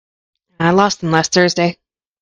I lost them last Thursday.